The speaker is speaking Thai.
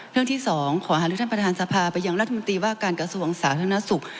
เรื่องที่สองขอหาทุกท่านประธานสภาไปยังรัฐมนตรีว่าการกระทรวงสาธารณสุข